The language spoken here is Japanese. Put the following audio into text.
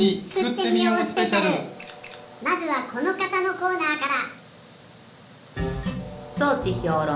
まずはこのかたのコーナーから。